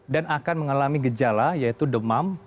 dan akan mengalami gejala yaitu demam